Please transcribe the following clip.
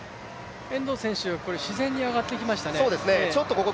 遠藤選手、これ自然に上がっていきましたね。